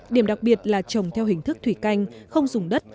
điểm đặc biệt là trồng theo hình thức thủy canh không dùng đất